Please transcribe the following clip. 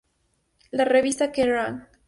La revista Kerrang!